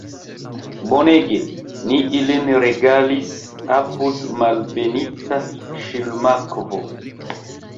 Bonege ni ilin regalis apud Malbenita Ŝlimakvo!